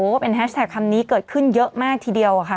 ว่าเป็นแฮชแท็กคำนี้เกิดขึ้นเยอะมากทีเดียวอะค่ะ